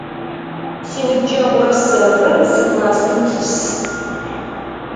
Синыбджэгъурэ сэрырэ зы классым тис.